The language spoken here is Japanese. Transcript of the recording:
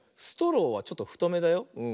ストローはちょっとふとめだよ。